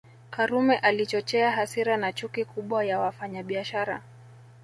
Karume alichochea hasira na chuki kubwa ya wafanyabiashara